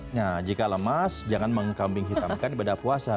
nah jika lemas jangan mengkambing hitamkan ibadah puasa